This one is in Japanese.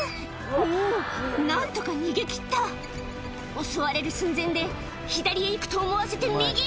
おぉ何とか逃げ切った襲われる寸前で左へ行くと思わせて右へ！